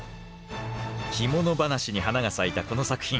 着物話に花が咲いたこの作品。